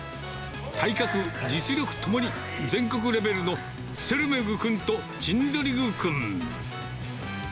体格、実力ともに全国レベルの、ツェルメグ君とチンゾリグ君。